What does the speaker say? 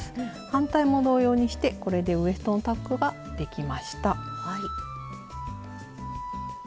反対も同様にしてこれでウエストのタックができました。